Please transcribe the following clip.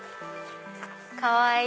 かわいい！